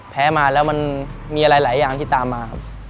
แพ้มาแล้วมันมีอะไรหลายอย่างที่ตามมาครับ